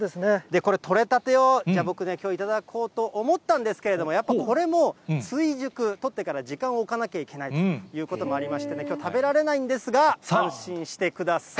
これ、取れたてを、じゃあ僕ね、きょう、頂こうと思ったんですけど、やっぱこれも、追熟、取ってから時間を置かなきゃいけないということで、きょう、食べられないんですが、安心してください。